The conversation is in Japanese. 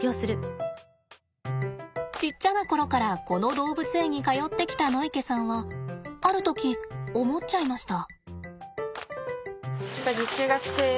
ちっちゃな頃からこの動物園に通ってきた野池さんはある時思っちゃいました。